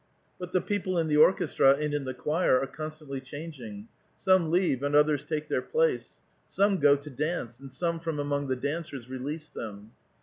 But the people in the orchestra and in the choir are con stantly changing; some leave, and others take their place. Some go to dance, and some from among the dancers release them.